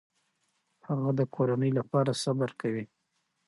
هغه د کورنۍ لپاره صبر کوي.